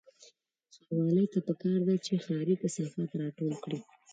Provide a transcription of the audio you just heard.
ښاروالۍ ته پکار ده چې ښاري کثافات راټول کړي